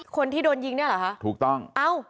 คนที่โดนยิงเนี่ยเหรอคะถูกต้องเอ้า